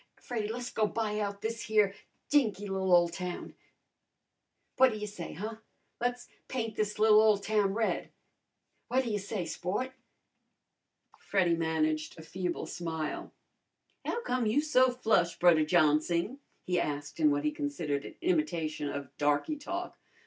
Freddy, le's go buy out this here dinky li'l ole town. What ta ya say, huh? Le's paint this li'l ole town red! What ta ya say, sport?" Freddy managed a feeble smile. "How come you so flush, Brudder Johnsing?" he asked in what he considered an imitation of darky talk.